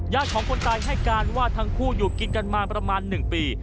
ของคนตายให้การว่าทั้งคู่อยู่กินกันมาประมาณ๑ปี